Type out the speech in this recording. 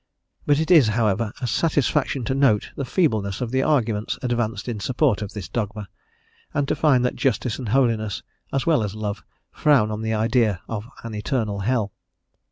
But it is, however, a satisfaction to note the feebleness of the arguments advanced in support of this dogma, and to find that justice and holiness, as well as love, frown on the idea of an eternal hell.